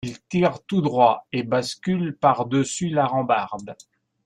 Il tire tout droit et bascule par-dessus la rambarde.